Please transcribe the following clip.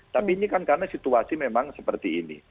tapi ini kan karena situasi memang seperti ini